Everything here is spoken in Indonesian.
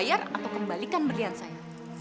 bayar atau kembalikan berlian saya